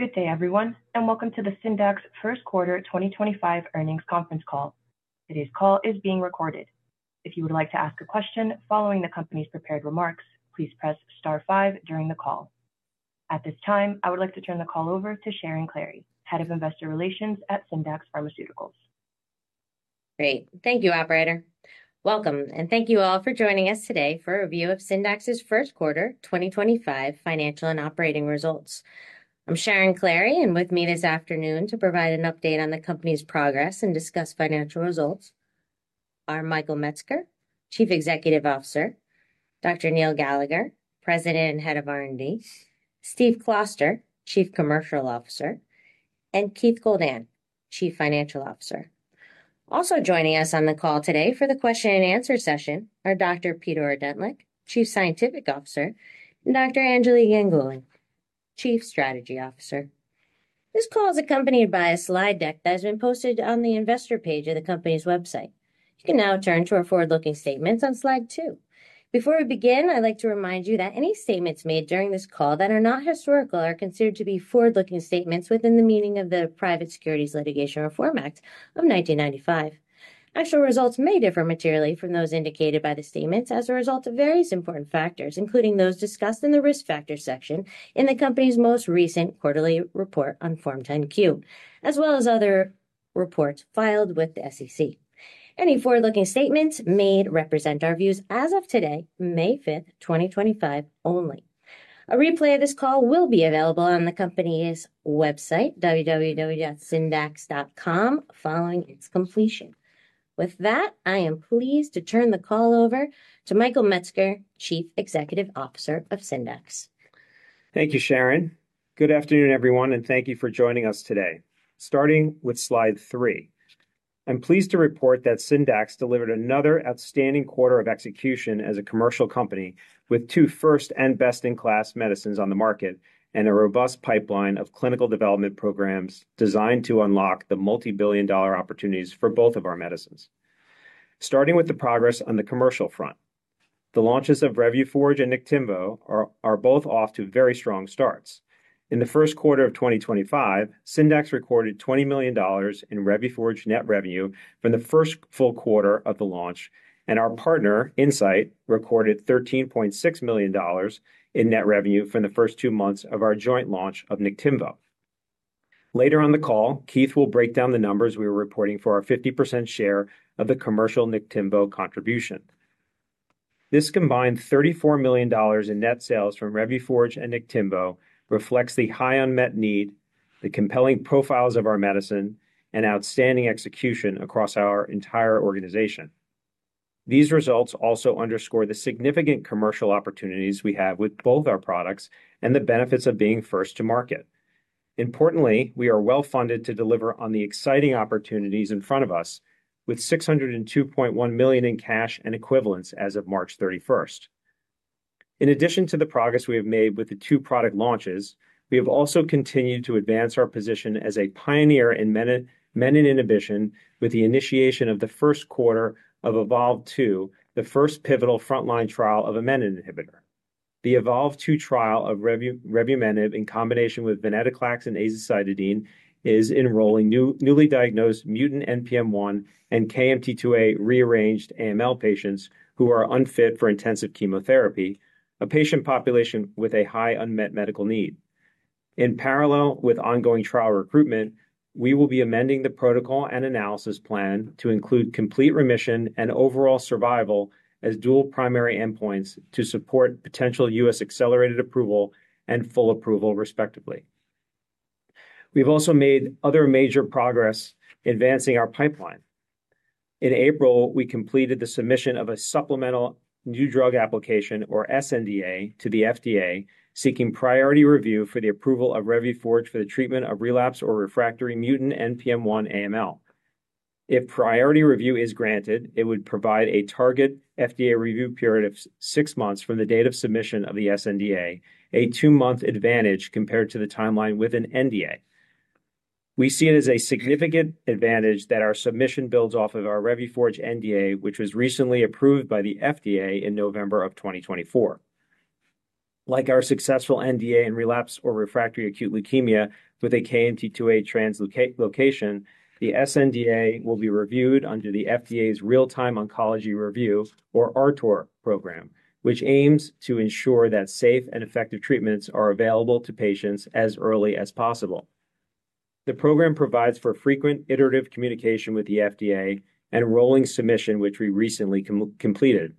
Good day, everyone, and welcome to the Syndax first quarter 2025 earnings conference call. Today's call is being recorded. If you would like to ask a question following the company's prepared remarks, please press star five during the call. At this time, I would like to turn the call over to Sharon Clary, Head of Investor Relations at Syndax Pharmaceuticals. Great. Thank you, Operator. Welcome, and thank you all for joining us today for a review of Syndax's first quarter 2025 financial and operating results. I'm Sharon Clary, and with me this afternoon to provide an update on the company's progress and discuss financial results are Michael Metzger, Chief Executive Officer, Dr. Neil Gallagher, President and Head of R&D, Steve Kloster, Chief Commercial Officer, and Keith Goldan, Chief Financial Officer. Also joining us on the call today for the question-and-answer session are Dr. Peter Ordentlich, Chief Scientific Officer, and Dr. Anjali Ganguly, Chief Strategy Officer. This call is accompanied by a slide deck that has been posted on the investor page of the company's website. You can now turn to our forward-looking statements on slide two. Before we begin, I'd like to remind you that any statements made during this call that are not historical are considered to be forward-looking statements within the meaning of the Private Securities Litigation Reform Act of 1995. Actual results may differ materially from those indicated by the statements as a result of various important factors, including those discussed in the risk factor section in the company's most recent quarterly report on Form 10-Q, as well as other reports filed with the SEC. Any forward-looking statements made represent our views as of today, May 5th, 2025, only. A replay of this call will be available on the company's website, www.syndax.com, following its completion. With that, I am pleased to turn the call over to Michael Metzger, Chief Executive Officer of Syndax. Thank you, Sharon. Good afternoon, everyone, and thank you for joining us today. Starting with slide three, I'm pleased to report that Syndax delivered another outstanding quarter of execution as a commercial company with two first and best-in-class medicines on the market and a robust pipeline of clinical development programs designed to unlock the multi-billion dollar opportunities for both of our medicines. Starting with the progress on the commercial front, the launches of Revuforj and Niktimvo are both off to very strong starts. In the first quarter of 2025, Syndax recorded $20 million in Revuforj net revenue from the first full quarter of the launch, and our partner, Incyte, recorded $13.6 million in net revenue from the first two months of our joint launch of Niktimvo. Later on the call, Keith will break down the numbers we are reporting for our 50% share of the commercial Niktimvo contribution. This combined $34 million in net sales from Revuforj and Niktimvo reflects the high unmet need, the compelling profiles of our medicine, and outstanding execution across our entire organization. These results also underscore the significant commercial opportunities we have with both our products and the benefits of being first to market. Importantly, we are well-funded to deliver on the exciting opportunities in front of us, with $602.1 million in cash and equivalents as of March 31. In addition to the progress we have made with the two product launches, we have also continued to advance our position as a pioneer in menin inhibition with the initiation in the first quarter of EVOLV-2, the first pivotal frontline trial of a menin inhibitor. The EVOLV-2 trial of Revuforj in combination with Venetoclax and Azacitidine is enrolling newly diagnosed mutant NPM1 and KMT2A rearranged AML patients who are unfit for intensive chemotherapy, a patient population with a high unmet medical need. In parallel with ongoing trial recruitment, we will be amending the protocol and analysis plan to include complete remission and overall survival as dual primary endpoints to support potential US accelerated approval and full approval, respectively. We've also made other major progress advancing our pipeline. In April, we completed the submission of a supplemental new drug application, or sNDA, to the FDA, seeking priority review for the approval of Revuforj for the treatment of relapse or refractory mutant NPM1 AML. If priority review is granted, it would provide a target FDA review period of six months from the date of submission of the sNDA, a two-month advantage compared to the timeline with an NDA. We see it as a significant advantage that our submission builds off of our Revuforj NDA, which was recently approved by the FDA in November of 2024. Like our successful NDA in relapse or refractory acute leukemia with a KMT2A translocation, the sNDA will be reviewed under the FDA's Real-Time Oncology Review, or RTOR, program, which aims to ensure that safe and effective treatments are available to patients as early as possible. The program provides for frequent iterative communication with the FDA and rolling submission, which we recently completed.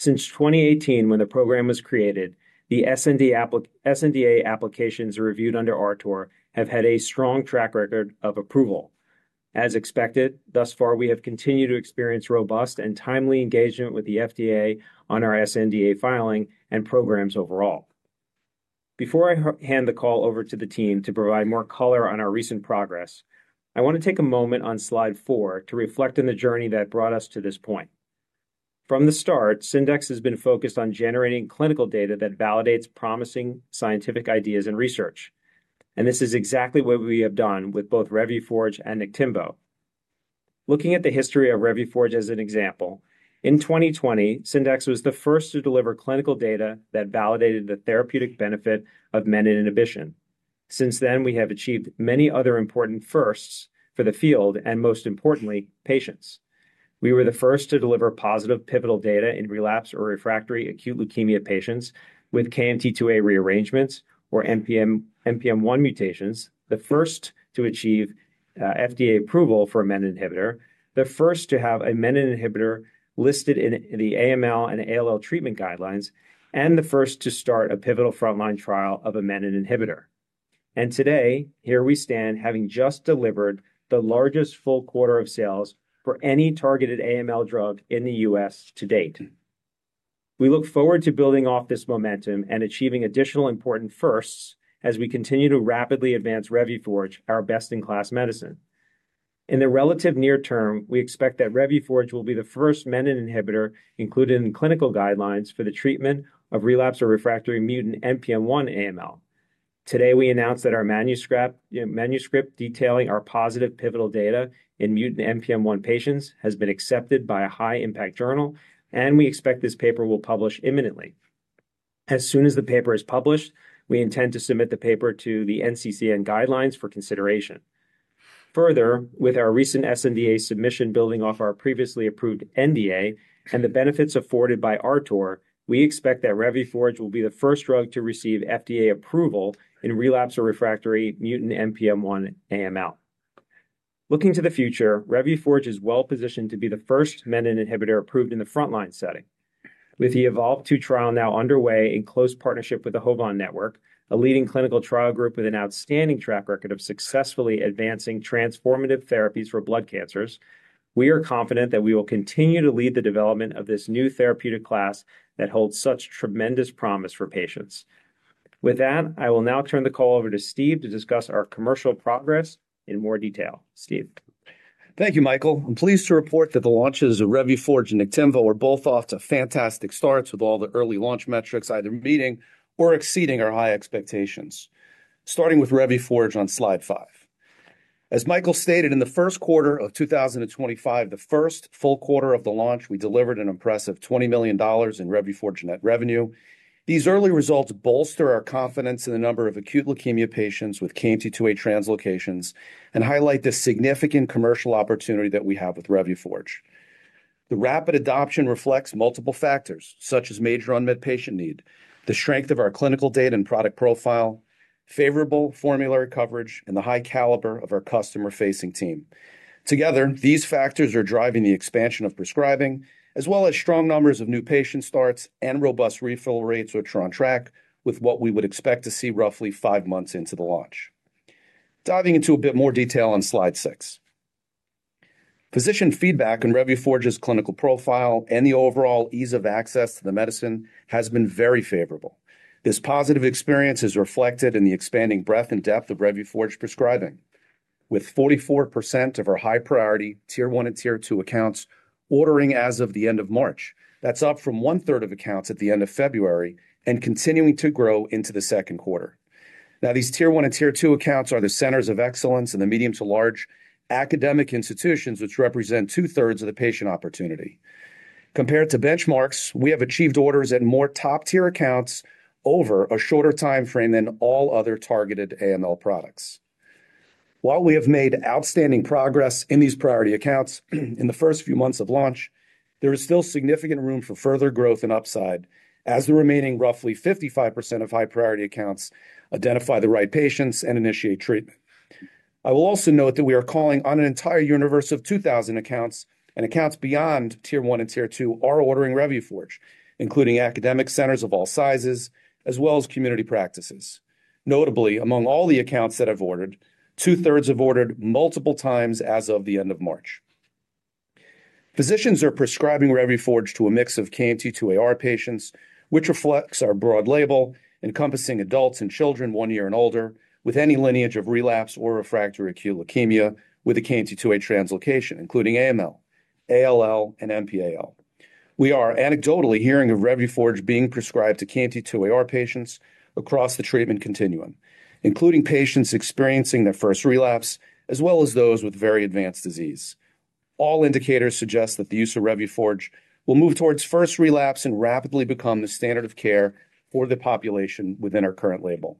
Since 2018, when the program was created, the sNDA applications reviewed under RTOR have had a strong track record of approval. As expected, thus far, we have continued to experience robust and timely engagement with the FDA on our sNDA filing and programs overall. Before I hand the call over to the team to provide more color on our recent progress, I want to take a moment on slide four to reflect on the journey that brought us to this point. From the start, Syndax has been focused on generating clinical data that validates promising scientific ideas and research, and this is exactly what we have done with both Revuforj and Niktimvo. Looking at the history of Revuforj as an example, in 2020, Syndax was the first to deliver clinical data that validated the therapeutic benefit of menin inhibition. Since then, we have achieved many other important firsts for the field and, most importantly, patients. We were the first to deliver positive pivotal data in relapsed or refractory acute leukemia patients with KMT2A rearrangements or NPM1 mutations, the first to achieve FDA approval for a menin inhibitor, the first to have a menin inhibitor listed in the AML and ALL treatment guidelines, and the first to start a pivotal frontline trial of a menin inhibitor. Today, here we stand having just delivered the largest full quarter of sales for any targeted AML drug in the US to date. We look forward to building off this momentum and achieving additional important firsts as we continue to rapidly advance Revuforj, our best-in-class medicine. In the relatively near term, we expect that Revuforj will be the first menin inhibitor included in clinical guidelines for the treatment of relapsed or refractory mutant NPM1 AML. Today, we announced that our manuscript detailing our positive pivotal data in mutant NPM1 patients has been accepted by a high-impact journal, and we expect this paper will publish imminently. As soon as the paper is published, we intend to submit the paper to the NCCN Guidelines for consideration. Further, with our recent sNDA submission building off our previously approved NDA and the benefits afforded by RTOR, we expect that Revuforj will be the first drug to receive FDA approval in relapse or refractory mutant NPM1 AML. Looking to the future, Revuforj is well-positioned to be the first menin inhibitor approved in the frontline setting. With the EVOLV-2 trial now underway in close partnership with the HOVON Network, a leading clinical trial group with an outstanding track record of successfully advancing transformative therapies for blood cancers, we are confident that we will continue to lead the development of this new therapeutic class that holds such tremendous promise for patients. With that, I will now turn the call over to Steve to discuss our commercial progress in more detail. Steve. Thank you, Michael. I'm pleased to report that the launches of Revuforj and Niktimvo are both off to fantastic starts with all the early launch metrics either meeting or exceeding our high expectations. Starting with Revuforj on slide five. As Michael stated, in the first quarter of 2025, the first full quarter of the launch, we delivered an impressive $20 million in Revuforj net revenue. These early results bolster our confidence in the number of acute leukemia patients with KMT2A translocations and highlight the significant commercial opportunity that we have with Revuforj. The rapid adoption reflects multiple factors, such as major unmet patient need, the strength of our clinical data and product profile, favorable formulary coverage, and the high caliber of our customer-facing team. Together, these factors are driving the expansion of prescribing, as well as strong numbers of new patient starts and robust refill rates which are on track with what we would expect to see roughly five months into the launch. Diving into a bit more detail on slide six, physician feedback on Revuforj's clinical profile and the overall ease of access to the medicine has been very favorable. This positive experience is reflected in the expanding breadth and depth of Revuforj prescribing, with 44% of our high-priority tier one and tier two accounts ordering as of the end of March. That's up from one-third of accounts at the end of February and continuing to grow into the second quarter. Now, these tier one and tier two accounts are the centers of excellence in the medium to large academic institutions, which represent two-thirds of the patient opportunity. Compared to benchmarks, we have achieved orders at more top-tier accounts over a shorter timeframe than all other targeted AML products. While we have made outstanding progress in these priority accounts in the first few months of launch, there is still significant room for further growth and upside as the remaining roughly 55% of high-priority accounts identify the right patients and initiate treatment. I will also note that we are calling on an entire universe of 2,000 accounts, and accounts beyond tier one and tier two are ordering Revuforj, including academic centers of all sizes, as well as community practices. Notably, among all the accounts that have ordered, two-thirds have ordered multiple times as of the end of March. Physicians are prescribing Revuforj to a mix of KMT2A R patients, which reflects our broad label encompassing adults and children one year and older with any lineage of relapse or refractory acute leukemia with a KMT2A translocation, including AML, ALL, and MPAL. We are anecdotally hearing of Revuforj being prescribed to KMT2A R patients across the treatment continuum, including patients experiencing their first relapse, as well as those with very advanced disease. All indicators suggest that the use of Revuforj will move towards first relapse and rapidly become the standard of care for the population within our current label.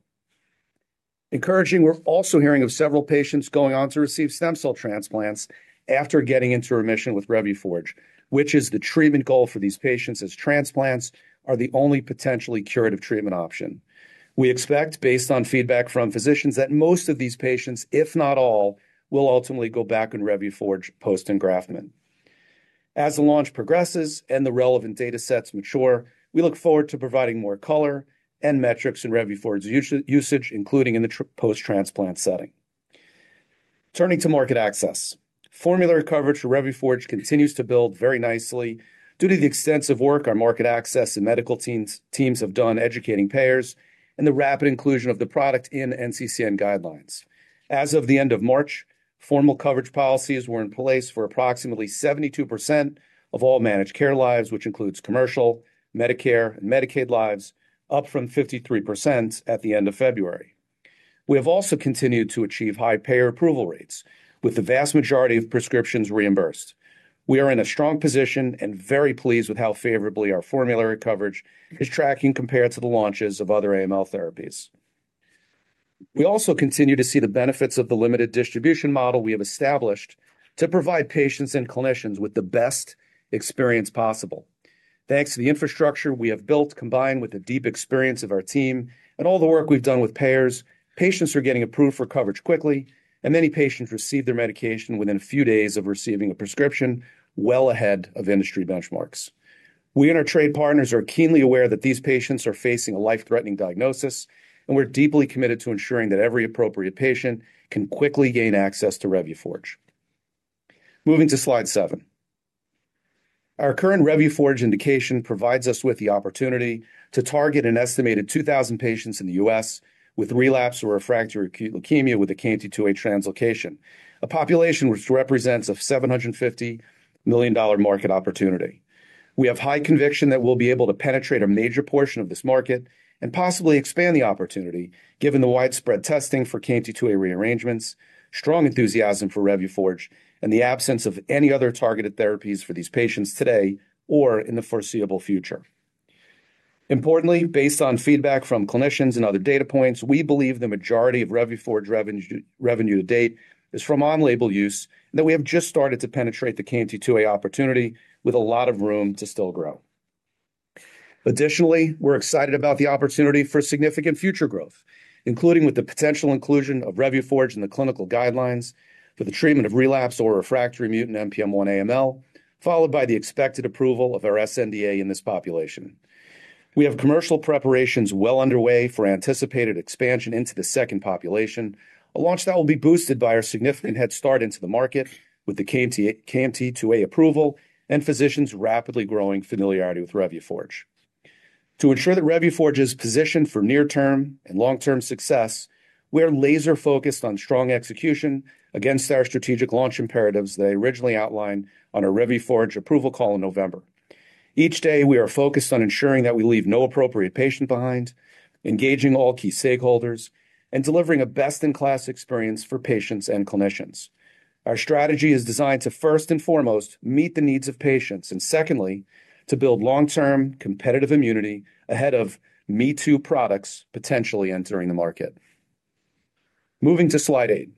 Encouraging, we're also hearing of several patients going on to receive stem cell transplants after getting into remission with Revuforj, which is the treatment goal for these patients, as transplants are the only potentially curative treatment option. We expect, based on feedback from physicians, that most of these patients, if not all, will ultimately go back on Revuforj post-engraftment. As the launch progresses and the relevant data sets mature, we look forward to providing more color and metrics in Revuforj's usage, including in the post-transplant setting. Turning to market access, formulary coverage for Revuforj continues to build very nicely due to the extensive work our market access and medical teams have done educating payers and the rapid inclusion of the product in NCCN Guidelines. As of the end of March, formal coverage policies were in place for approximately 72% of all managed care lives, which includes commercial, Medicare, and Medicaid lives, up from 53% at the end of February. We have also continued to achieve high payer approval rates, with the vast majority of prescriptions reimbursed. We are in a strong position and very pleased with how favorably our formulary coverage is tracking compared to the launches of other AML therapies. We also continue to see the benefits of the limited distribution model we have established to provide patients and clinicians with the best experience possible. Thanks to the infrastructure we have built, combined with the deep experience of our team and all the work we've done with payers, patients are getting approved for coverage quickly, and many patients receive their medication within a few days of receiving a prescription, well ahead of industry benchmarks. We and our trade partners are keenly aware that these patients are facing a life-threatening diagnosis, and we're deeply committed to ensuring that every appropriate patient can quickly gain access to Revuforj. Moving to slide seven, our current Revuforj indication provides us with the opportunity to target an estimated 2,000 patients in the US with relapse or refractory acute leukemia with a KMT2A translocation, a population which represents a $750 million market opportunity. We have high conviction that we'll be able to penetrate a major portion of this market and possibly expand the opportunity given the widespread testing for KMT2A rearrangements, strong enthusiasm for Revuforj, and the absence of any other targeted therapies for these patients today or in the foreseeable future. Importantly, based on feedback from clinicians and other data points, we believe the majority of Revuforj revenue to date is from on-label use and that we have just started to penetrate the KMT2A opportunity with a lot of room to still grow. Additionally, we're excited about the opportunity for significant future growth, including with the potential inclusion of Revuforj in the clinical guidelines for the treatment of relapse or refractory mutant NPM1 AML, followed by the expected approval of our sNDA in this population. We have commercial preparations well underway for anticipated expansion into the second population, a launch that will be boosted by our significant head start into the market with the KMT2A approval and physicians' rapidly growing familiarity with Revuforj. To ensure that Revuforj is positioned for near-term and long-term success, we are laser-focused on strong execution against our strategic launch imperatives that I originally outlined on our Revuforj approval call in November. Each day, we are focused on ensuring that we leave no appropriate patient behind, engaging all key stakeholders, and delivering a best-in-class experience for patients and clinicians. Our strategy is designed to first and foremost meet the needs of patients and, secondly, to build long-term competitive immunity ahead of me too products potentially entering the market. Moving to slide eight.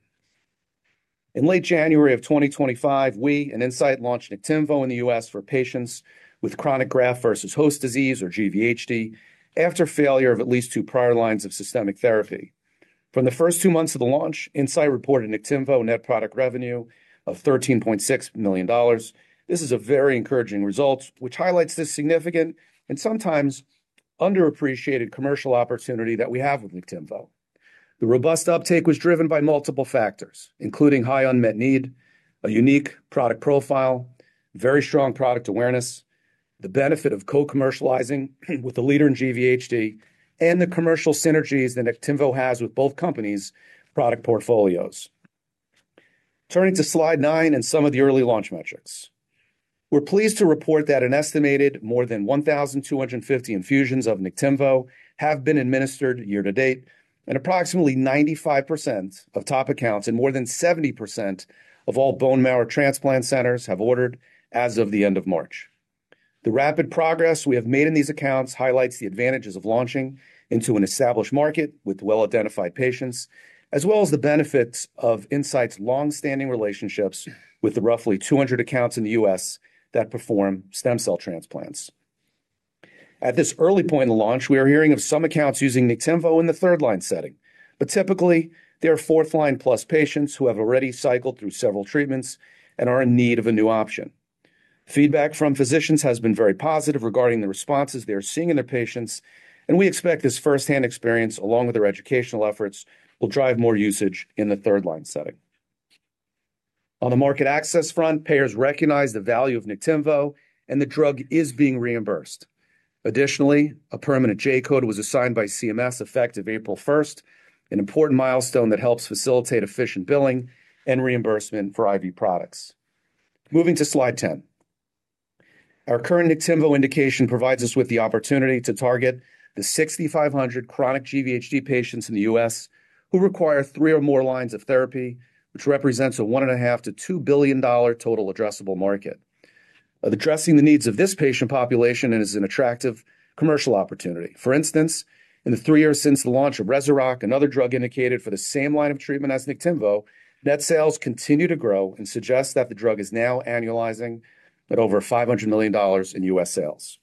In late January of 2025, we and Incyte launched Niktimvo in the U.S. for patients with chronic graft-versus-host disease or GVHD after failure of at least two prior lines of systemic therapy. From the first two months of the launch, Incyte reported Niktimvo net product revenue of $13.6 million. This is a very encouraging result, which highlights the significant and sometimes underappreciated commercial opportunity that we have with Niktimvo. The robust uptake was driven by multiple factors, including high unmet need, a unique product profile, very strong product awareness, the benefit of co-commercializing with a leader in GVHD, and the commercial synergies that Niktimvo has with both companies' product portfolios. Turning to slide nine and some of the early launch metrics, we're pleased to report that an estimated more than 1,250 infusions of Niktimvo have been administered year to date, and approximately 95% of top accounts and more than 70% of all bone marrow transplant centers have ordered as of the end of March. The rapid progress we have made in these accounts highlights the advantages of launching into an established market with well-identified patients, as well as the benefits of Incyte's long-standing relationships with the roughly 200 accounts in the US that perform stem cell transplants. At this early point in the launch, we are hearing of some accounts using Niktimvo in the third line setting, but typically, they are fourth line plus patients who have already cycled through several treatments and are in need of a new option. Feedback from physicians has been very positive regarding the responses they are seeing in their patients, and we expect this firsthand experience, along with their educational efforts, will drive more usage in the third line setting. On the market access front, payers recognize the value of Niktimvo, and the drug is being reimbursed. Additionally, a permanent J code was assigned by CMS effective April 1, an important milestone that helps facilitate efficient billing and reimbursement for IV products. Moving to slide 10, our current Niktimvo indication provides us with the opportunity to target the 6,500 chronic GVHD patients in the US who require three or more lines of therapy, which represents a $1.5 billion-$2 billion total addressable market, addressing the needs of this patient population and is an attractive commercial opportunity. For instance, in the three years since the launch of Rezurock, another drug indicated for the same line of treatment as Niktimvo, net sales continue to grow and suggest that the drug is now annualizing at over $500 million in US sales.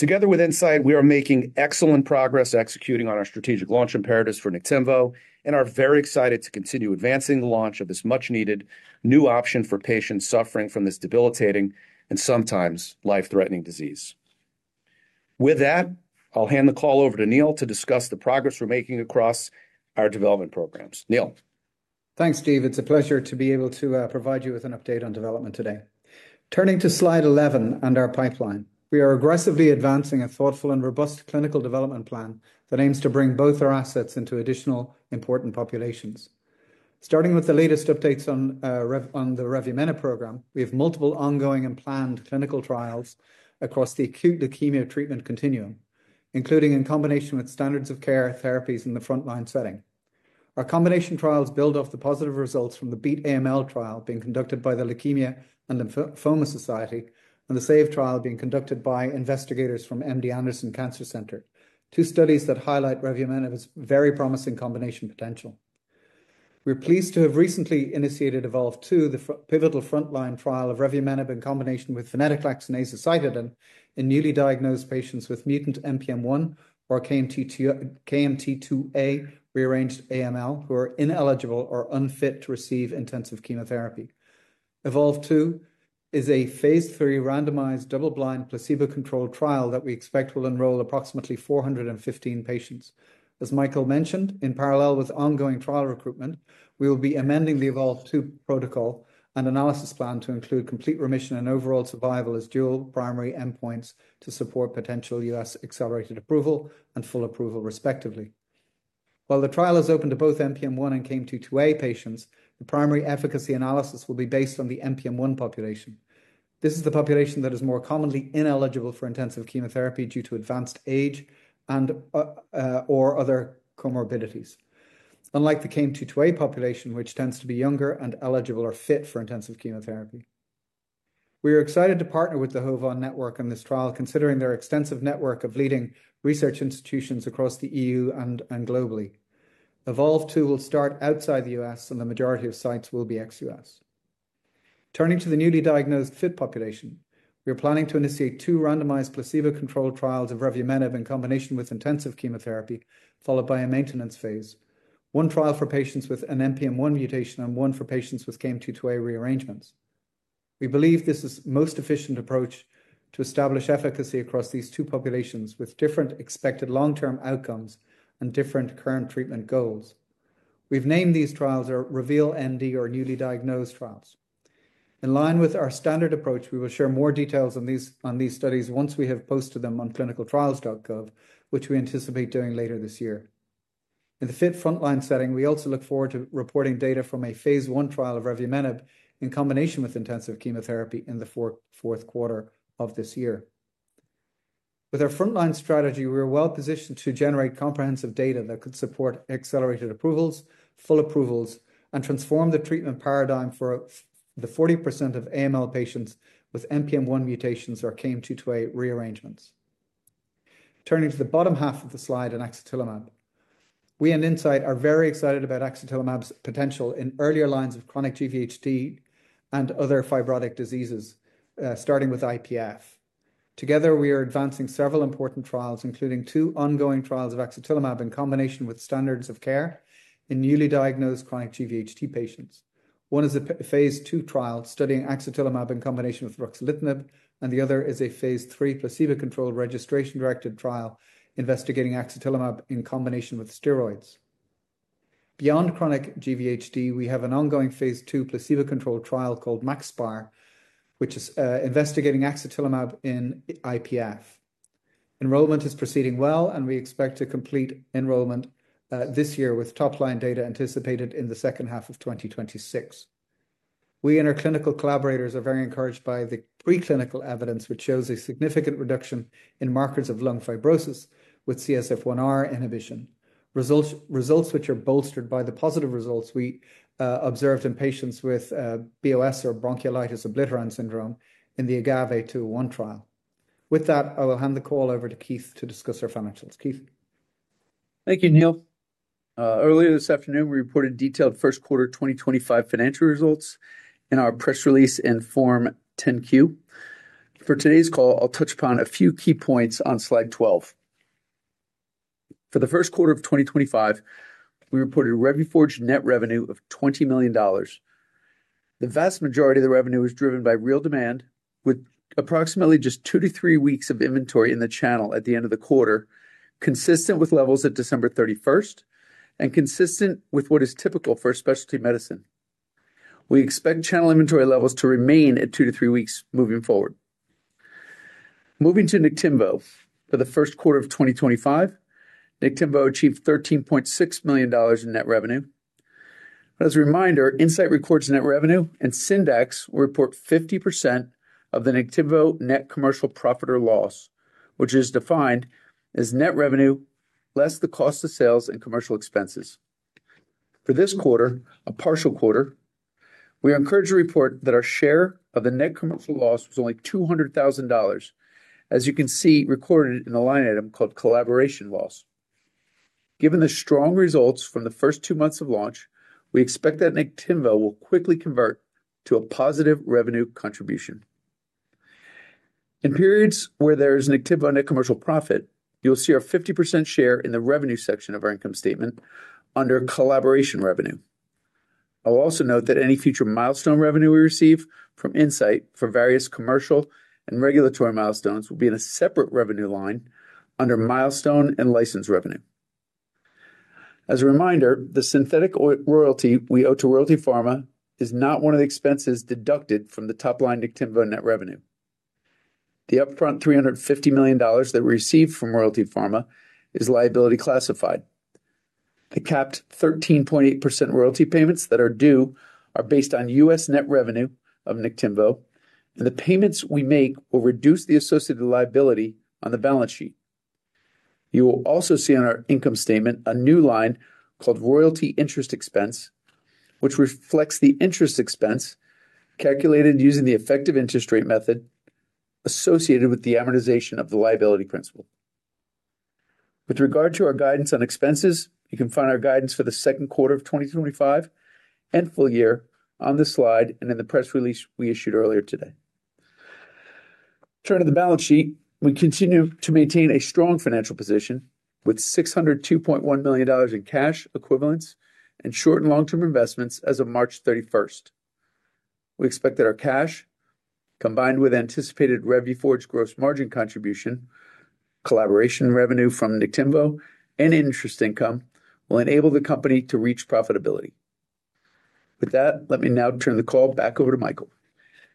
Together with Incyte, we are making excellent progress executing on our strategic launch imperatives for Niktimvo and are very excited to continue advancing the launch of this much-needed new option for patients suffering from this debilitating and sometimes life-threatening disease. With that, I'll hand the call over to Neil to discuss the progress we're making across our development programs. Neil. Thanks, Steve. It's a pleasure to be able to provide you with an update on development today. Turning to slide 11 and our pipeline, we are aggressively advancing a thoughtful and robust clinical development plan that aims to bring both our assets into additional important populations. Starting with the latest updates on the Revuforj program, we have multiple ongoing and planned clinical trials across the acute leukemia treatment continuum, including in combination with standards of care therapies in the frontline setting. Our combination trials build off the positive results from the BEAT AML trial being conducted by the Leukemia and Lymphoma Society and the SAVE trial being conducted by investigators from MD Anderson Cancer Center, two studies that highlight Revuforj's very promising combination potential. We're pleased to have recently initiated EVOLV-2, the pivotal frontline trial of Revuforj in combination with venetoclax and azacitidine, in newly diagnosed patients with mutant NPM1 or KMT2A rearranged AML who are ineligible or unfit to receive intensive chemotherapy. EVOLV-2 is a phase 3 randomized double-blind placebo-controlled trial that we expect will enroll approximately 415 patients. As Michael mentioned, in parallel with ongoing trial recruitment, we will be amending the EVOLV-2 protocol and analysis plan to include complete remission and overall survival as dual primary endpoints to support potential US accelerated approval and full approval, respectively. While the trial is open to both NPM1 and KMT2A patients, the primary efficacy analysis will be based on the NPM1 population. This is the population that is more commonly ineligible for intensive chemotherapy due to advanced age and/or other comorbidities, unlike the KMT2A population, which tends to be younger and eligible or fit for intensive chemotherapy. We are excited to partner with the HOVON network in this trial, considering their extensive network of leading research institutions across the EU and globally. EVOLV-2 will start outside the U.S., and the majority of sites will be ex-U.S. Turning to the newly diagnosed fit population, we are planning to initiate two randomized placebo-controlled trials of Revuforj in combination with intensive chemotherapy, followed by a maintenance phase, one trial for patients with an NPM1 mutation and one for patients with KMT2A rearrangements. We believe this is the most efficient approach to establish efficacy across these two populations with different expected long-term outcomes and different current treatment goals. We've named these trials Reveal ND or Newly Diagnosed Trials. In line with our standard approach, we will share more details on these studies once we have posted them on clinicaltrials.gov, which we anticipate doing later this year. In the fit frontline setting, we also look forward to reporting data from a phase one trial of Revuforj in combination with intensive chemotherapy in the fourth quarter of this year. With our frontline strategy, we are well positioned to generate comprehensive data that could support accelerated approvals, full approvals, and transform the treatment paradigm for the 40% of AML patients with NPM1 mutations or KMT2A rearrangements. Turning to the bottom half of the slide in Niktimvo, we and Incyte are very excited about Niktimvo's potential in earlier lines of chronic GVHD and other fibrotic diseases, starting with IPF. Together, we are advancing several important trials, including two ongoing trials of axatilimab in combination with standards of care in newly diagnosed chronic GVHD patients. One is a phase two trial studying axatilimab in combination with ruxolitinib, and the other is a phase three placebo-controlled registration-directed trial investigating axatilimab in combination with steroids. Beyond chronic GVHD, we have an ongoing phase two placebo-controlled trial called MAXIPAR, which is investigating axatilimab in IPF. Enrollment is proceeding well, and we expect to complete enrollment this year with topline data anticipated in the second half of 2026. We and our clinical collaborators are very encouraged by the preclinical evidence, which shows a significant reduction in markers of lung fibrosis with CSF1R inhibition, results which are bolstered by the positive results we observed in patients with BOS or bronchiolitis obliterans syndrome in the AGAVE-201 trial. With that, I will hand the call over to Keith to discuss our financials. Keith. Thank you, Neil. Earlier this afternoon, we reported detailed first quarter 2025 financial results in our press release in Form 10Q. For today's call, I'll touch upon a few key points on slide 12. For the first quarter of 2025, we reported Revuforj net revenue of $20 million. The vast majority of the revenue was driven by real demand, with approximately just two to three weeks of inventory in the channel at the end of the quarter, consistent with levels at December 31 and consistent with what is typical for specialty medicine. We expect channel inventory levels to remain at two to three weeks moving forward. Moving to Niktimvo, for the first quarter of 2025, Niktimvo achieved $13.6 million in net revenue. As a reminder, Incyte records net revenue, and Syndax will report 50% of the Niktimvo net commercial profit or loss, which is defined as net revenue less the cost of sales and commercial expenses. For this quarter, a partial quarter, we are encouraged to report that our share of the net commercial loss was only $200,000, as you can see recorded in the line item called collaboration loss. Given the strong results from the first two months of launch, we expect that Niktimvo will quickly convert to a positive revenue contribution. In periods where there is Niktimvo net commercial profit, you'll see our 50% share in the revenue section of our income statement under collaboration revenue. I'll also note that any future milestone revenue we receive from Incyte for various commercial and regulatory milestones will be in a separate revenue line under milestone and license revenue. As a reminder, the synthetic royalty we owe to Royalty Pharma is not one of the expenses deducted from the topline Niktimvo net revenue. The upfront $350 million that we received from Royalty Pharma is liability classified. The capped 13.8% royalty payments that are due are based on US net revenue of Niktimvo, and the payments we make will reduce the associated liability on the balance sheet. You will also see on our income statement a new line called royalty interest expense, which reflects the interest expense calculated using the effective interest rate method associated with the amortization of the liability principal. With regard to our guidance on expenses, you can find our guidance for the second quarter of 2025 and full year on this slide and in the press release we issued earlier today. Turning to the balance sheet, we continue to maintain a strong financial position with $602.1 million in cash equivalents and short and long-term investments as of March 31. We expect that our cash, combined with anticipated Revuforj gross margin contribution, collaboration revenue from Niktimvo, and interest income will enable the company to reach profitability. With that, let me now turn the call back over to Michael.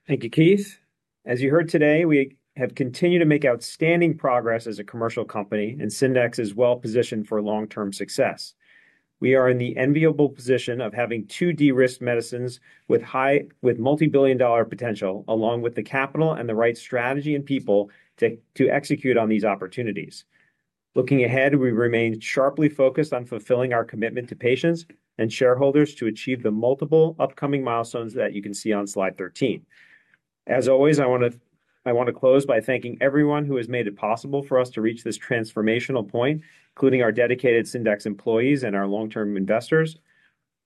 Thank you, Keith. As you heard today, we have continued to make outstanding progress as a commercial company, and Syndax is well positioned for long-term success. We are in the enviable position of having two de-risked medicines with multi-billion dollar potential, along with the capital and the right strategy and people to execute on these opportunities. Looking ahead, we remain sharply focused on fulfilling our commitment to patients and shareholders to achieve the multiple upcoming milestones that you can see on slide 13. As always, I want to close by thanking everyone who has made it possible for us to reach this transformational point, including our dedicated Syndax employees and our long-term investors.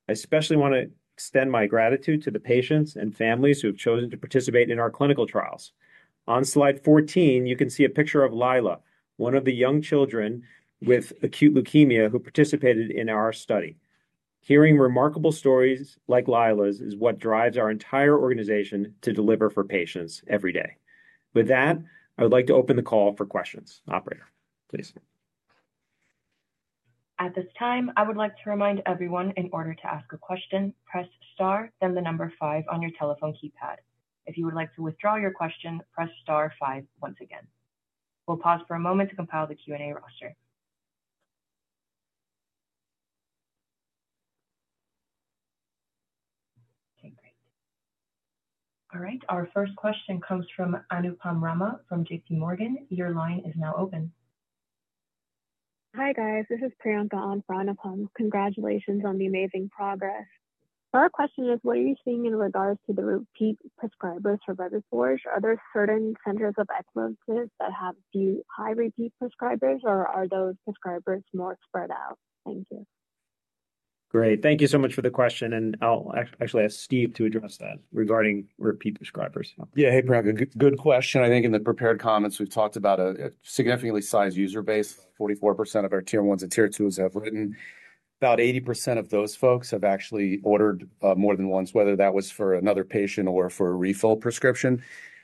I especially want to extend my gratitude to the patients and families who have chosen to participate in our clinical trials. On slide 14, you can see a picture of Lila, one of the young children with acute leukemia who participated in our study. Hearing remarkable stories like Lila's is what drives our entire organization to deliver for patients every day. With that, I would like to open the call for questions. Operator, please. At this time, I would like to remind everyone in order to ask a question, press star, then the number five on your telephone keypad. If you would like to withdraw your question, press star five once again. We'll pause for a moment to compile the Q&A roster. Okay, great. All right, our first question comes from Anupam Rama from JPMorgan. Your line is now open. Hi guys, this is Priyanka on for Anupam. Congratulations on the amazing progress. Our question is, what are you seeing in regards to the repeat prescribers for Revuforj? Are there certain centers of excellence that have few high repeat prescribers, or are those prescribers more spread out? Thank you. Great. Thank you so much for the question. I'll actually ask Steve to address that regarding repeat prescribers. Yeah, hey Priyanka, good question. I think in the prepared comments, we've talked about a significantly sized user base. 44% of our tier ones and tier twos have written. About 80% of those folks have actually ordered more than once, whether that was for another patient or for a refill prescription.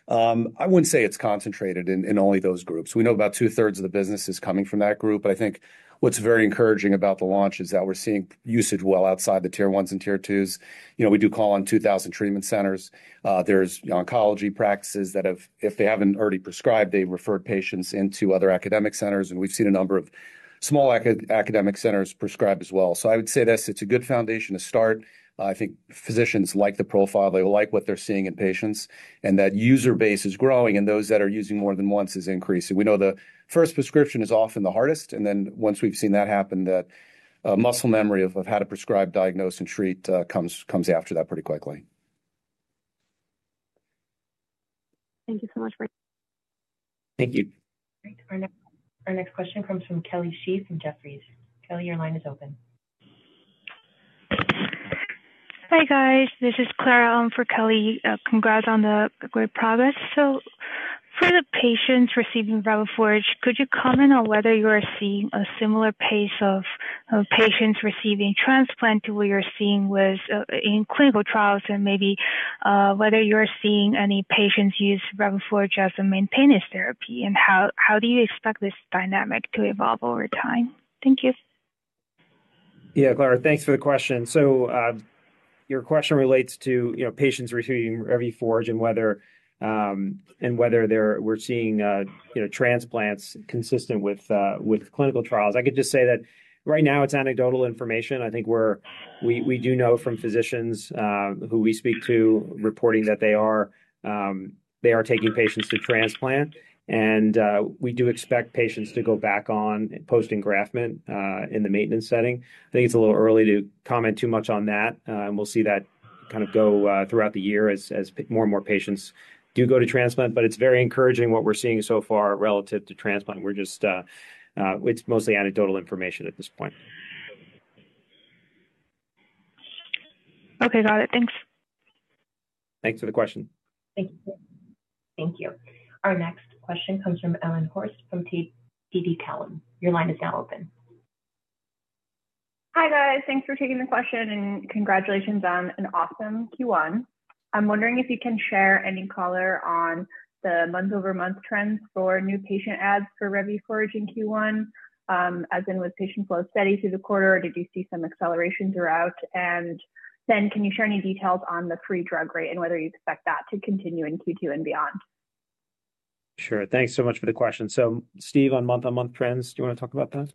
I wouldn't say it's concentrated in only those groups. We know about two-thirds of the business is coming from that group. I think what's very encouraging about the launch is that we're seeing usage well outside the tier ones and tier twos. You know, we do call on 2,000 treatment centers. There's oncology practices that have, if they haven't already prescribed, they referred patients into other academic centers. We've seen a number of small academic centers prescribe as well. I would say this, it's a good foundation to start. I think physicians like the profile. They like what they're seeing in patients. That user base is growing, and those that are using more than once is increasing. We know the first prescription is often the hardest. Once we've seen that happen, that muscle memory of how to prescribe, diagnose, and treat comes after that pretty quickly. Thank you so much for. Thank you. Our next question comes from Kelly Shi from Jefferies. Kelly, your line is open. Hi guys, this is Clara Dong for Kelly. Congrats on the great progress. For the patients receiving Revuforj, could you comment on whether you are seeing a similar pace of patients receiving transplant to what you're seeing in clinical trials and maybe whether you're seeing any patients use Revuforj as a maintenance therapy? How do you expect this dynamic to evolve over time? Thank you. Yeah, Clara, thanks for the question. Your question relates to patients receiving Revuforj and whether we're seeing transplants consistent with clinical trials. I could just say that right now it's anecdotal information. I think we do know from physicians who we speak to reporting that they are taking patients to transplant. We do expect patients to go back on post-engraftment in the maintenance setting. I think it's a little early to comment too much on that. We'll see that kind of go throughout the year as more and more patients do go to transplant. It's very encouraging what we're seeing so far relative to transplant. It's mostly anecdotal information at this point. Okay, got it. Thanks. Thanks for the question. Thank you. Our next question comes from Ellen Horst from TD Cowen. Your line is now open. Hi guys, thanks for taking the question and congratulations on an awesome Q1. I'm wondering if you can share any color on the month-over-month trends for new patient ads for Revuforj in Q1, as in was patient flow steady through the quarter, or did you see some acceleration throughout? Can you share any details on the free drug rate and whether you expect that to continue in Q2 and beyond? Sure. Thanks so much for the question. Steve, on month-on-month trends, do you want to talk about that? Yes,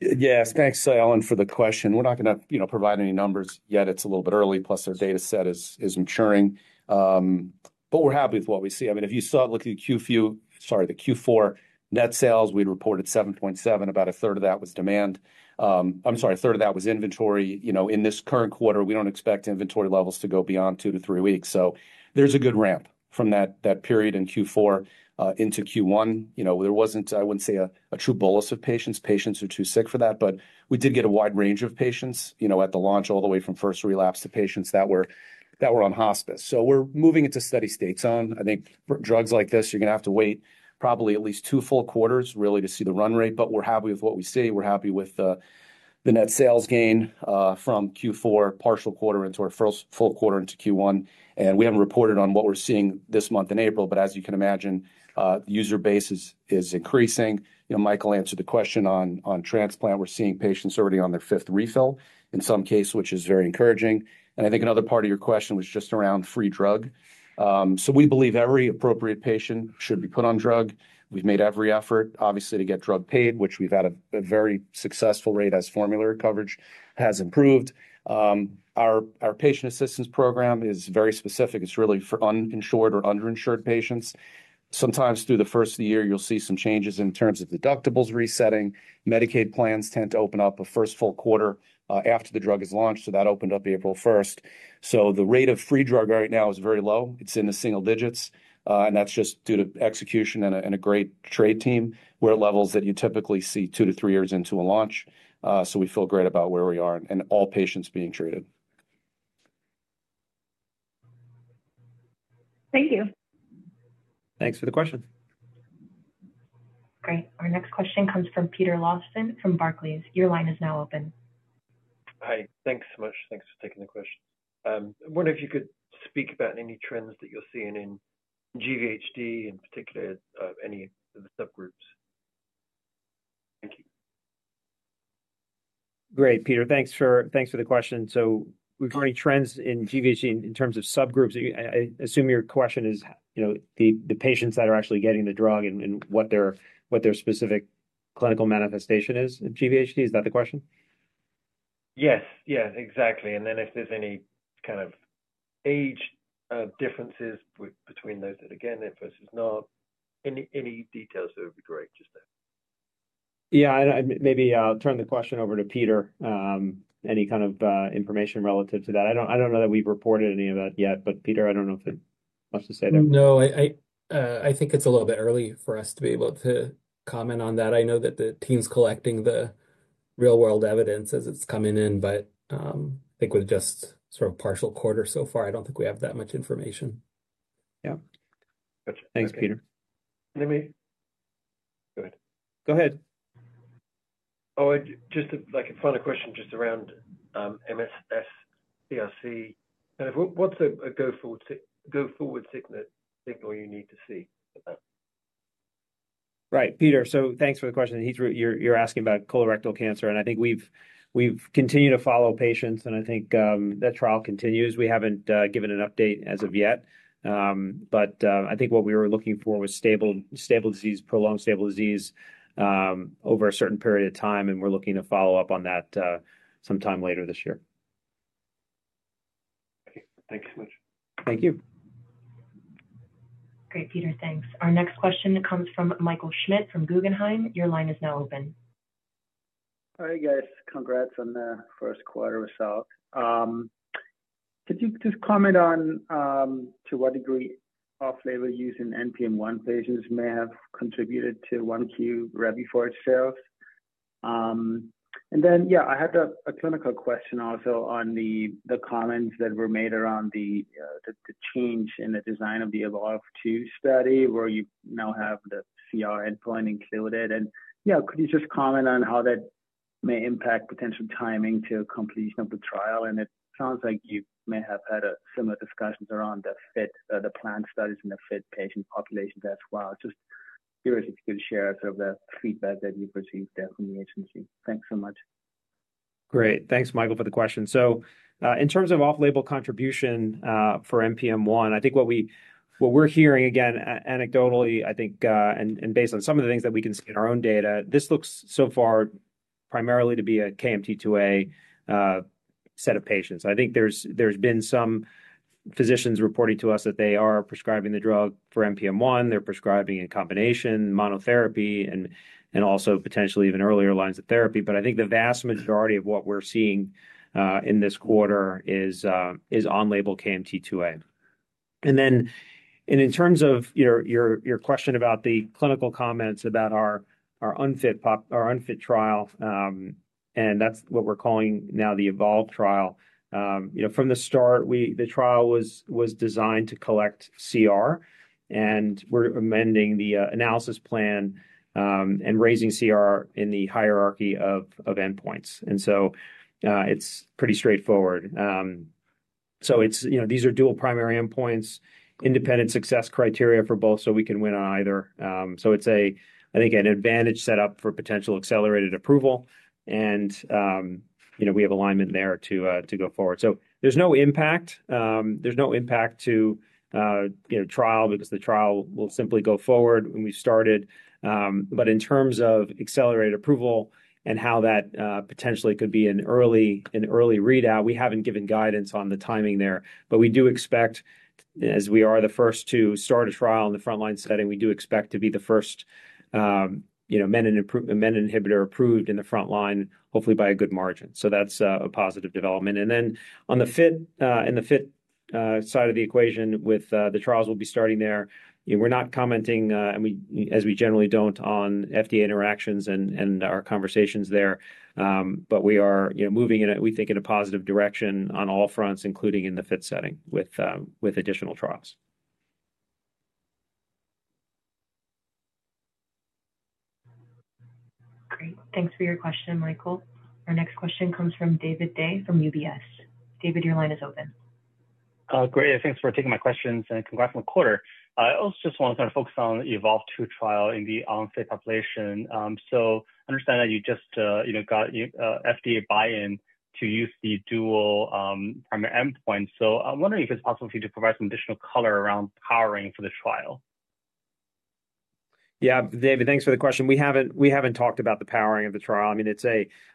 thanks, Ellen, for the question. We're not going to provide any numbers yet. It's a little bit early, plus our data set is maturing. But we're happy with what we see. I mean, if you saw it, look at the Q4, sorry, the Q4 net sales, we reported $7.7 million, about a third of that was demand. I'm sorry, a third of that was inventory. In this current quarter, we don't expect inventory levels to go beyond two to three weeks. There is a good ramp from that period in Q4 into Q1. There wasn't, I wouldn't say a true bolus of patients. Patients are too sick for that. But we did get a wide range of patients at the launch all the way from first relapse to patients that were on hospice. We are moving into steady states on, I think, drugs like this. You're going to have to wait probably at least two full quarters really to see the run rate. We are happy with what we see. We are happy with the net sales gain from Q4, partial quarter into our first full quarter into Q1. We have not reported on what we are seeing this month in April. As you can imagine, the user base is increasing. Michael answered the question on transplant. We are seeing patients already on their fifth refill in some case, which is very encouraging. I think another part of your question was just around free drug. We believe every appropriate patient should be put on drug. We have made every effort, obviously, to get drug paid, which we have had a very successful rate as formulary coverage has improved. Our patient assistance program is very specific. It is really for uninsured or underinsured patients. Sometimes through the first of the year, you'll see some changes in terms of deductibles resetting. Medicaid plans tend to open up a first full quarter after the drug is launched. That opened up April 1. The rate of free drug right now is very low. It's in the single digits. That's just due to execution and a great trade team. We're at levels that you typically see two to three years into a launch. We feel great about where we are and all patients being treated. Thank you. Thanks for the question. Great. Our next question comes from Peter Lawson from Barclays. Your line is now open. Hi, thanks so much. Thanks for taking the question. I wonder if you could speak about any trends that you're seeing in GVHD in particular, any of the subgroups. Thank you. Great, Peter. Thanks for the question. We've heard trends in GVHD in terms of subgroups. I assume your question is the patients that are actually getting the drug and what their specific clinical manifestation is in GVHD. Is that the question? Yes, yes, exactly. If there's any kind of age differences between those that are getting it versus not, any details would be great just to. Yeah, maybe I'll turn the question over to Peter. Any kind of information relative to that? I don't know that we've reported any of that yet. Peter, I don't know if you want to say that. No, I think it's a little bit early for us to be able to comment on that. I know that the team's collecting the real-world evidence as it's coming in. I think with just sort of partial quarter so far, I don't think we have that much information. Yeah. Thanks, Peter. Let me. Go ahead. Go ahead. Oh, just a funny question just around MSSPLC. Kind of what's a go forward signal you need to see? Right, Peter. Thanks for the question. You're asking about colorectal cancer. I think we've continued to follow patients. I think that trial continues. We haven't given an update as of yet. I think what we were looking for was stable disease, prolonged stable disease over a certain period of time. We're looking to follow up on that sometime later this year. Thanks so much. Thank you. Great, Peter. Thanks. Our next question comes from Michael Schmidt from Guggenheim. Your line is now open. Hi guys. Congrats on the first quarter result. Could you just comment on to what degree off-label use in NPM1 patients may have contributed to 1Q Revuforj sales? Yeah, I had a clinical question also on the comments that were made around the change in the design of the EVOLV-2 study where you now have the CR endpoint included. Could you just comment on how that may impact potential timing to completion of the trial? It sounds like you may have had similar discussions around the planned studies and the fit patient populations as well. Just curious if you could share sort of the feedback that you've received there from the agency. Thanks so much. Great. Thanks, Michael, for the question. In terms of off-label contribution for NPM1, I think what we're hearing again anecdotally, I think, and based on some of the things that we can see in our own data, this looks so far primarily to be a KMT2A set of patients. I think there's been some physicians reporting to us that they are prescribing the drug for NPM1. They're prescribing in combination, monotherapy, and also potentially even earlier lines of therapy. I think the vast majority of what we're seeing in this quarter is on-label KMT2A. In terms of your question about the clinical comments about our unfit trial, and that's what we're calling now the Evolve trial, from the start, the trial was designed to collect CR. We're amending the analysis plan and raising CR in the hierarchy of endpoints. It's pretty straightforward. These are dual primary endpoints, independent success criteria for both so we can win on either. I think it's an advantage set up for potential accelerated approval. We have alignment there to go forward. There is no impact to the trial because the trial will simply go forward when we started. In terms of accelerated approval and how that potentially could be an early readout, we haven't given guidance on the timing there. We do expect, as we are the first to start a trial in the frontline setting, to be the first menin inhibitor approved in the frontline, hopefully by a good margin. That is a positive development. On the fit side of the equation with the trials, we'll be starting there. We're not commenting, as we generally don't, on FDA interactions and our conversations there. We are moving, we think, in a positive direction on all fronts, including in the fit setting with additional trials. Great. Thanks for your question, Michael. Our next question comes from David Dai from UBS. David, your line is open. Great. Thanks for taking my questions. Congrats on the quarter. I also just want to kind of focus on the EVOLV-2 trial in the unfit population. I understand that you just got FDA buy-in to use the dual primary endpoint. I'm wondering if it's possible for you to provide some additional color around powering for the trial. Yeah, David, thanks for the question. We haven't talked about the powering of the trial. I mean,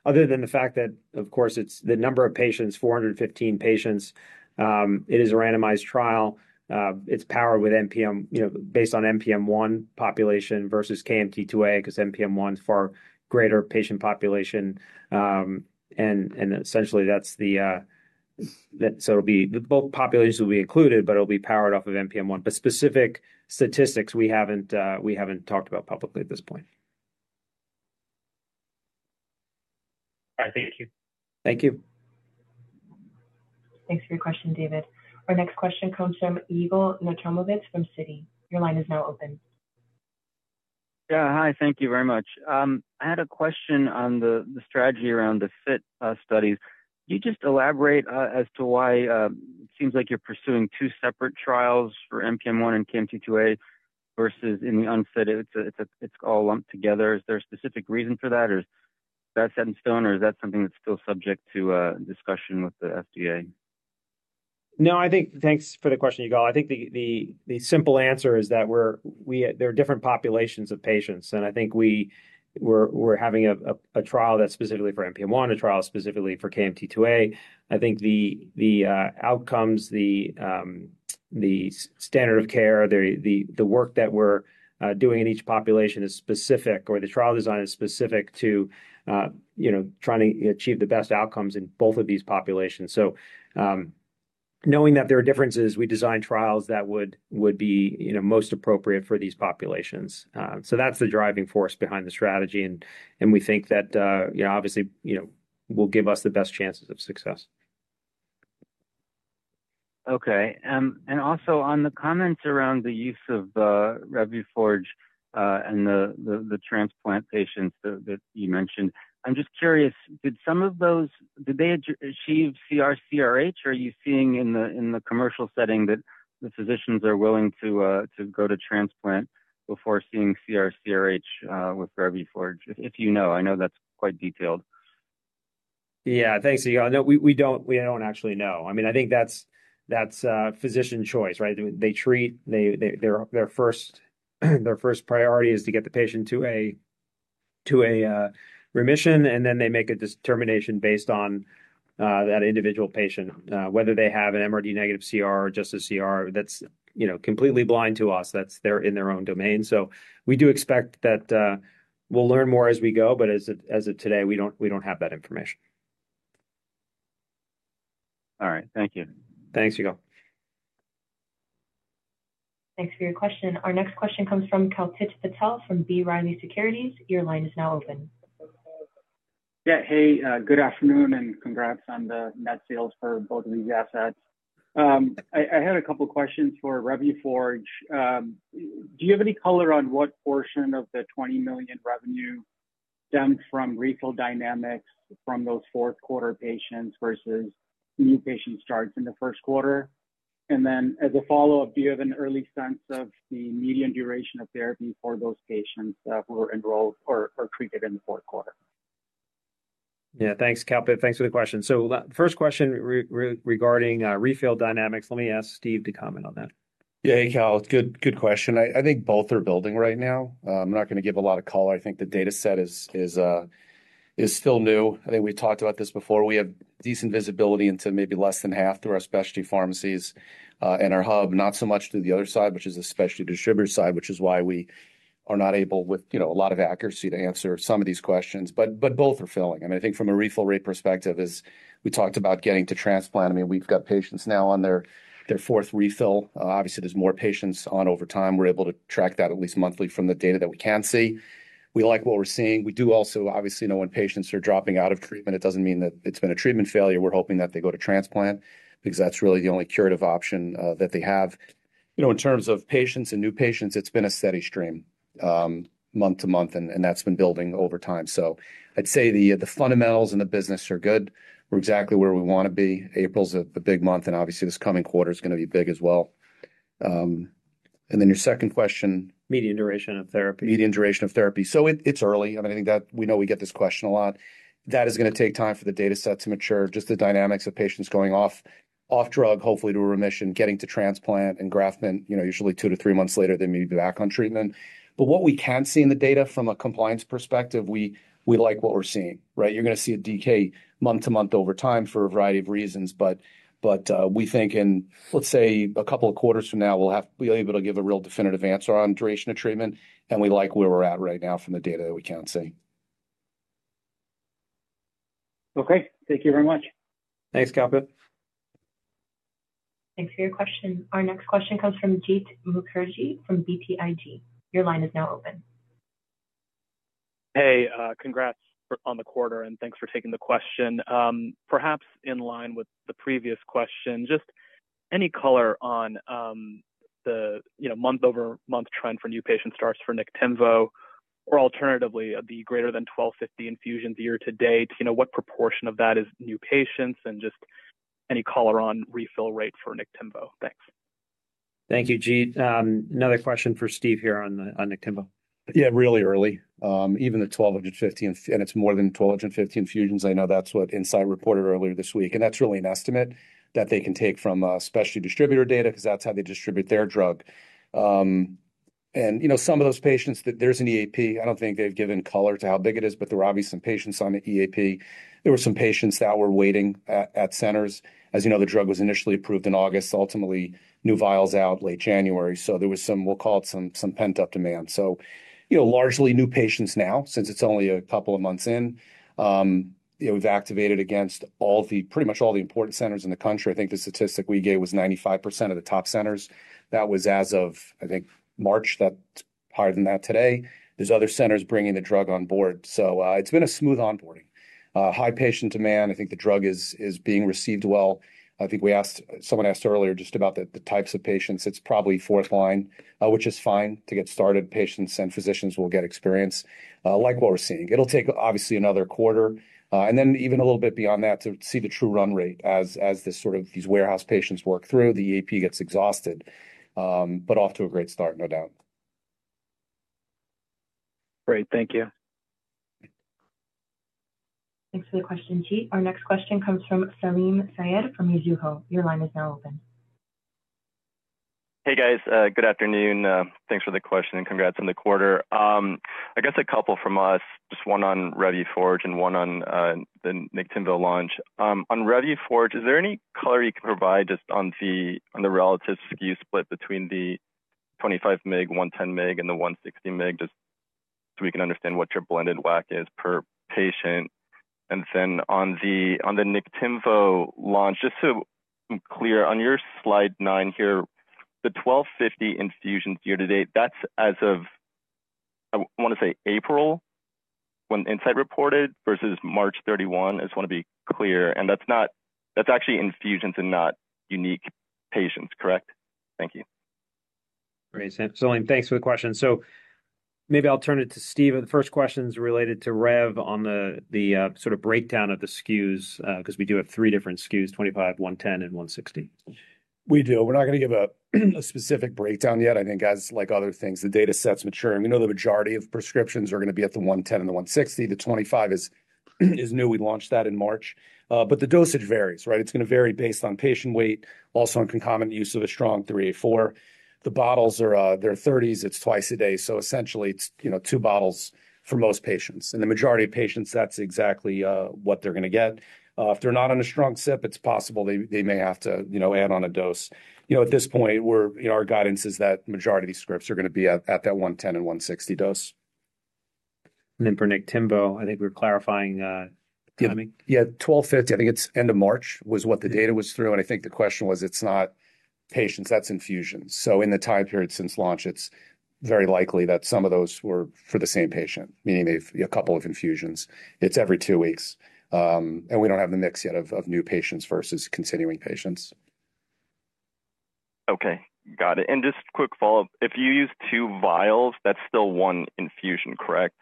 other than the fact that, of course, it's the number of patients, 415 patients, it is a randomized trial. It's powered based on NPM1 population versus KMT2A because NPM1 is for greater patient population. Essentially, that's the, so both populations will be included, but it'll be powered off of NPM1. Specific statistics, we haven't talked about publicly at this point. All right, thank you. Thank you. Thanks for your question, David. Our next question comes from Yigal Nochomovitz from Citi. Your line is now open. Yeah, hi, thank you very much. I had a question on the strategy around the fit studies. Can you just elaborate as to why it seems like you're pursuing two separate trials for NPM1 and KMT2A versus in the unfit it's all lumped together? Is there a specific reason for that? Is that set in stone? Is that something that's still subject to discussion with the FDA? No, I think thanks for the question, Eagle. I think the simple answer is that there are different populations of patients. I think we're having a trial that's specifically for NPM1, a trial specifically for KMT2A. I think the outcomes, the standard of care, the work that we're doing in each population is specific, or the trial design is specific to trying to achieve the best outcomes in both of these populations. Knowing that there are differences, we design trials that would be most appropriate for these populations. That's the driving force behind the strategy. We think that, obviously, will give us the best chances of success. Okay. Also, on the comments around the use of Revuforj and the transplant patients that you mentioned, I'm just curious, did some of those achieve CR/CRH? Are you seeing in the commercial setting that the physicians are willing to go to transplant before seeing CR/CRH with Revuforj, if you know? I know that's quite detailed. Yeah, thanks, Yigal. We don't actually know. I mean, I think that's physician choice, right? They treat. Their first priority is to get the patient to a remission. And then they make a determination based on that individual patient, whether they have an MRD negative CR or just a CR. That's completely blind to us. That's in their own domain. We do expect that we'll learn more as we go. As of today, we don't have that information. All right, thank you. Thanks, Eagle. Thanks for your question. Our next question comes from Kalpit Patel from B. Riley Securities. Your line is now open. Yeah, hey, good afternoon. Congrats on the net sales for both of these assets. I had a couple of questions for Revuforj. Do you have any color on what portion of the $20 million revenue stemmed from refill dynamics from those fourth quarter patients versus new patient starts in the first quarter? As a follow-up, do you have an early sense of the median duration of therapy for those patients who are enrolled or treated in the fourth quarter? Yeah, thanks, Kalpit. Thanks for the question. The first question regarding refill dynamics, let me ask Steve to comment on that. Yeah, hey, Cal. Good question. I think both are building right now. I'm not going to give a lot of color. I think the data set is still new. I think we've talked about this before. We have decent visibility into maybe less than half through our specialty pharmacies and our hub, not so much through the other side, which is the specialty distributor side, which is why we are not able with a lot of accuracy to answer some of these questions. Both are filling. I mean, I think from a refill rate perspective, as we talked about getting to transplant, I mean, we've got patients now on their fourth refill. Obviously, there's more patients on over time. We're able to track that at least monthly from the data that we can see. We like what we're seeing. We do also, obviously, know when patients are dropping out of treatment, it does not mean that it has been a treatment failure. We are hoping that they go to transplant because that is really the only curative option that they have. In terms of patients and new patients, it has been a steady stream month to month. That has been building over time. I would say the fundamentals and the business are good. We are exactly where we want to be. April is a big month. This coming quarter is going to be big as well. Then your second question. Median duration of therapy. Median duration of therapy. It is early. I mean, I think that we know we get this question a lot. That is going to take time for the data set to mature. Just the dynamics of patients going off drug, hopefully to a remission, getting to transplant and graftment, usually two to three months later, they may be back on treatment. What we can see in the data from a compliance perspective, we like what we are seeing, right? You are going to see a decay month to month over time for a variety of reasons. We think in, let's say, a couple of quarters from now, we will be able to give a real definitive answer on duration of treatment. We like where we are at right now from the data that we can see. Okay, thank you very much. Thanks, Kalpit. Thanks for your question. Our next question comes from Jeet Mukherjee from BTIG. Your line is now open. Hey, congrats on the quarter. Thanks for taking the question. Perhaps in line with the previous question, just any color on the month-over-month trend for new patient starts for Niktimvo, or alternatively, the greater than 1,250 infusions year to date, what proportion of that is new patients? Just any color on refill rate for Niktimvo? Thanks. Thank you, Jeet. Another question for Steve here on Niktimvo. Yeah, really early. Even the 1,250, and it's more than 1,250 infusions. I know that's what Incyte reported earlier this week. And that's really an estimate that they can take from specialty distributor data because that's how they distribute their drug. Some of those patients, there's an EAP. I don't think they've given color to how big it is. There were obviously some patients on the EAP. There were some patients that were waiting at centers. As you know, the drug was initially approved in August. Ultimately, new vials out late January. There was some, we'll call it some pent-up demand. Largely new patients now, since it's only a couple of months in. We've activated against pretty much all the important centers in the country. I think the statistic we gave was 95% of the top centers. That was as of, I think, March. That's higher than that today. There are other centers bringing the drug on board. It has been a smooth onboarding. High patient demand. I think the drug is being received well. I think someone asked earlier just about the types of patients. It's probably fourth line, which is fine to get started. Patients and physicians will get experience, like what we're seeing. It will take, obviously, another quarter. Even a little bit beyond that to see the true run rate as these warehouse patients work through. The EAP gets exhausted. Off to a great start, no doubt. Great, thank you. Thanks for the question, Jeet. Our next question comes from Salim Syed from Mizuho. Your line is now open. Hey, guys. Good afternoon. Thanks for the question. Congrats on the quarter. I guess a couple from us, just one on Revuforj and one on the Niktimvo launch. On Revuforj, is there any color you can provide just on the relative skew split between the 25 mg, 110 mg, and the 160 mg just so we can understand what your blended WAC is per patient? On the Niktimvo launch, just to be clear, on your slide nine here, the 1,250 infusions year to date, that's as of, I want to say, April when Incyte reported versus March 31, I just want to be clear. That's actually infusions and not unique patients, correct? Thank you. Great. Salim, thanks for the question. Maybe I'll turn it to Steve. The first question is related to Rev on the sort of breakdown of the SKUs because we do have three different SKUs, 25, 110, and 160. We do. We're not going to give a specific breakdown yet. I think, as like other things, the data sets mature. We know the majority of prescriptions are going to be at the 110 and the 160. The 25 is new. We launched that in March. The dosage varies, right? It's going to vary based on patient weight, also on concomitant use of a strong 3A4. The bottles, they're 30s. It's twice a day. Essentially, it's two bottles for most patients. The majority of patients, that's exactly what they're going to get. If they're not on a strong 3A4, it's possible they may have to add on a dose. At this point, our guidance is that the majority of these scripts are going to be at that 110 and 160 dose. For Niktimvo, I think we're clarifying. Yeah, 1,250. I think it's end of March was what the data was through. I think the question was, it's not patients. That's infusions. In the time period since launch, it's very likely that some of those were for the same patient, meaning a couple of infusions. It's every two weeks. We don't have the mix yet of new patients versus continuing patients. Okay, got it. Just quick follow-up. If you use two vials, that's still one infusion, correct?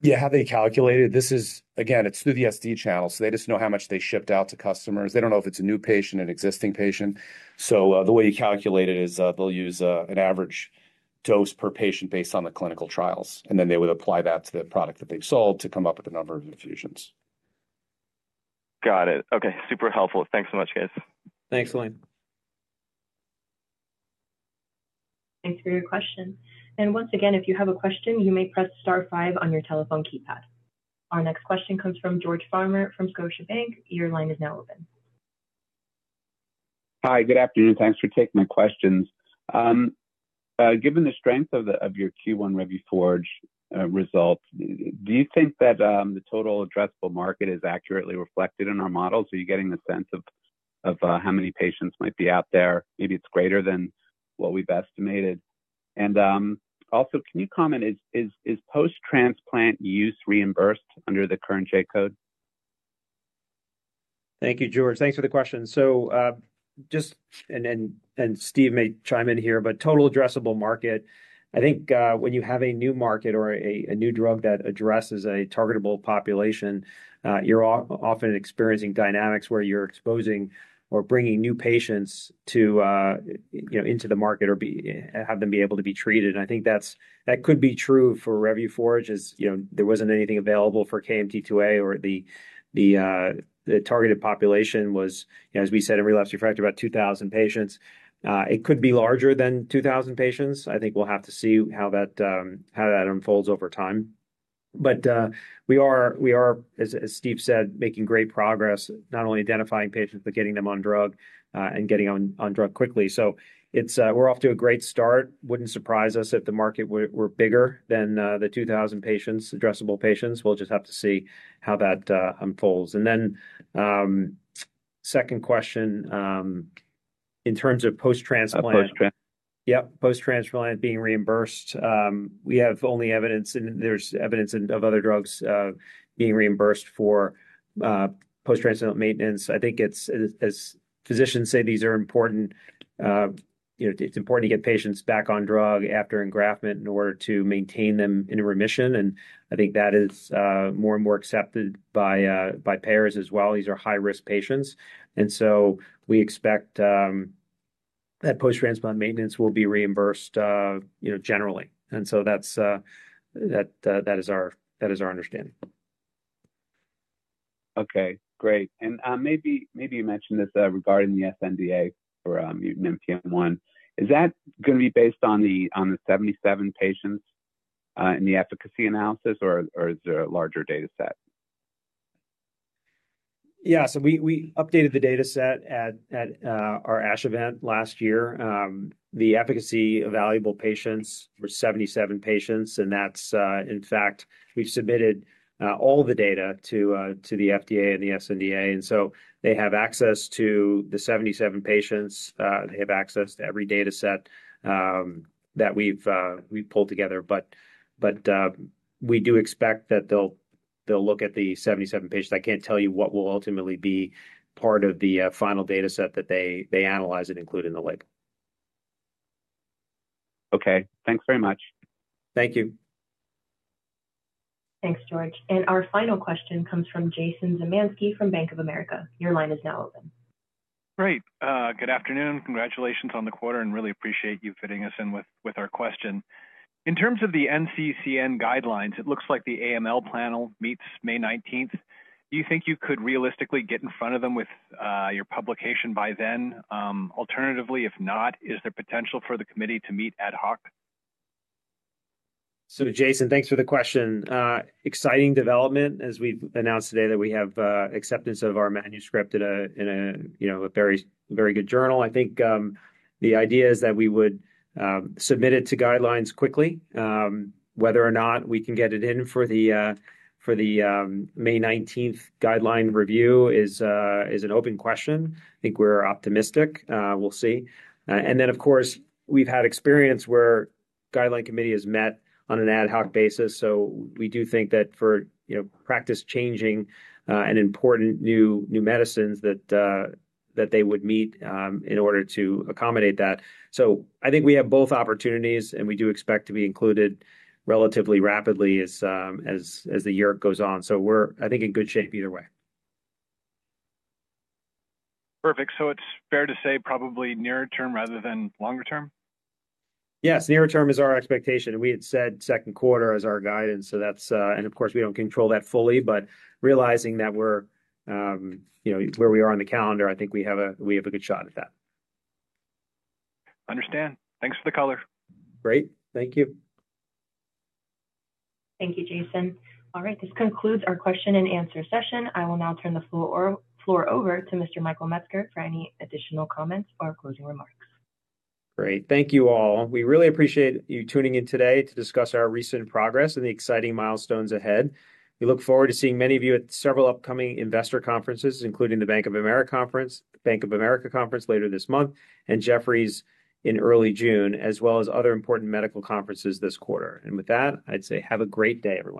Yeah, how they calculate it, again, it's through the SD channel. They just know how much they shipped out to customers. They don't know if it's a new patient, an existing patient. The way you calculate it is they'll use an average dose per patient based on the clinical trials. Then they would apply that to the product that they've sold to come up with the number of infusions. Got it. Okay, super helpful. Thanks so much, guys. Thanks, Salim. Thanks for your question. If you have a question, you may press star five on your telephone keypad. Our next question comes from George Farmer from Scotiabank. Your line is now open. Hi, good afternoon. Thanks for taking my questions. Given the strength of your Q1 Revuforj result, do you think that the total addressable market is accurately reflected in our models? Are you getting a sense of how many patients might be out there? Maybe it's greater than what we've estimated. Also, can you comment, is post-transplant use reimbursed under the current J code? Thank you, George. Thanks for the question. Just, and Steve may chime in here, but total addressable market, I think when you have a new market or a new drug that addresses a targetable population, you're often experiencing dynamics where you're exposing or bringing new patients into the market or have them be able to be treated. I think that could be true for Revuforj as there wasn't anything available for KMT2A or the targeted population was, as we said, in relapse refractory, about 2,000 patients. It could be larger than 2,000 patients. I think we'll have to see how that unfolds over time. We are, as Steve said, making great progress, not only identifying patients, but getting them on drug and getting on drug quickly. We're off to a great start. Wouldn't surprise us if the market were bigger than the 2,000 addressable patients. We'll just have to see how that unfolds. The second question, in terms of post-transplant. Post-transplant. Yep, post-transplant being reimbursed. We have only evidence, and there's evidence of other drugs being reimbursed for post-transplant maintenance. I think, as physicians say, these are important. It's important to get patients back on drug after engraftment in order to maintain them in remission. I think that is more and more accepted by payers as well. These are high-risk patients. We expect that post-transplant maintenance will be reimbursed generally. That is our understanding. Okay, great. Maybe you mentioned this regarding the sNDA for Niktimvo. Is that going to be based on the 77 patients in the efficacy analysis, or is there a larger data set? Yeah, we updated the data set at our ASH event last year. The efficacy evaluable patients were 77 patients. In fact, we've submitted all the data to the FDA and the sNDA. They have access to the 77 patients. They have access to every data set that we've pulled together. We do expect that they'll look at the 77 patients. I can't tell you what will ultimately be part of the final data set that they analyze and include in the label. Okay, thanks very much. Thank you. Thanks, George. Our final question comes from Jason Zemansky from Bank of America. Your line is now open. Great. Good afternoon. Congratulations on the quarter. I really appreciate you fitting us in with our question. In terms of the NCCN guidelines, it looks like the AML panel meets May 19th. Do you think you could realistically get in front of them with your publication by then? Alternatively, if not, is there potential for the committee to meet ad hoc? Jason, thanks for the question. Exciting development as we've announced today that we have acceptance of our manuscript in a very good journal. I think the idea is that we would submit it to guidelines quickly. Whether or not we can get it in for the May 19th guideline review is an open question. I think we're optimistic. We'll see. Of course, we've had experience where the guideline committee has met on an ad hoc basis. We do think that for practice-changing and important new medicines, that they would meet in order to accommodate that. I think we have both opportunities, and we do expect to be included relatively rapidly as the year goes on. I think we're in good shape either way. Perfect. It's fair to say probably nearer term rather than longer term? Yes, nearer term is our expectation. We had said second quarter as our guidance. Of course, we do not control that fully. Realizing that we are where we are on the calendar, I think we have a good shot at that. Understand. Thanks for the color. Great. Thank you. Thank you, Jason. All right, this concludes our question and answer session. I will now turn the floor over to Mr. Michael Metzger for any additional comments or closing remarks. Great. Thank you all. We really appreciate you tuning in today to discuss our recent progress and the exciting milestones ahead. We look forward to seeing many of you at several upcoming investor conferences, including the Bank of America Conference later this month, and Jefferies in early June, as well as other important medical conferences this quarter. I'd say have a great day everyone.